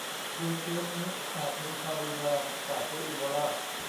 โดยเชื้อนี้อาจมีความรุนแรงกว่าเชื้ออีโบลา